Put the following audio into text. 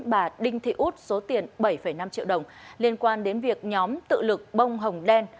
bà đinh thị út số tiền bảy năm triệu đồng liên quan đến việc nhóm tự lực bông hồng đen